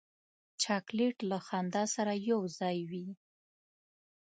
چاکلېټ له خندا سره یو ځای وي.